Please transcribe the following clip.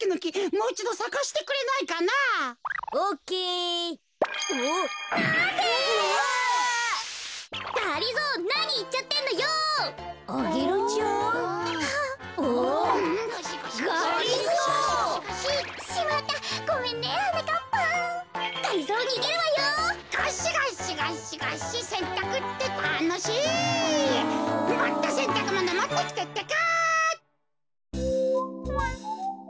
もっとせんたくものもってきてってか。